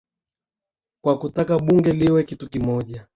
kwa kutaka bunge liwe kitu kimoja